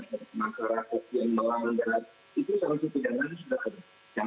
jangan kemudian kita menempatkan tidak ada penelitian